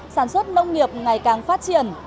sản xuất nông nghiệp ngày càng phát triển